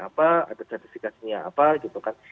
apa ada sertifikasinya apa gitu kan